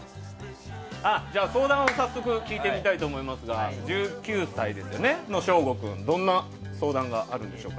相談を早速聞いてみたいと思いますが１９歳の昇吾君どんな相談があるんでしょうか？